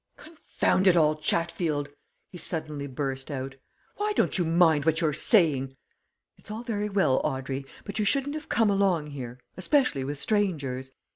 "Confound it all, Chatfield!" he suddenly burst out. "Why don't you mind what you're saying? It's all very well, Audrey, but you shouldn't have come along here especially with strangers.